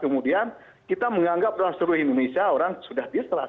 kemudian kita menganggap dalam seluruh indonesia orang sudah distrust